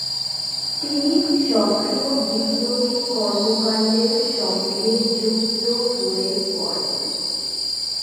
তিনি সক্রিয় বিপ্লবী কর্মকাণ্ডের সঙ্গে যুক্ত হয়ে পড়েন।